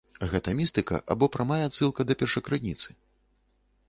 Гэта містыка або прамая адсылка да першакрыніцы?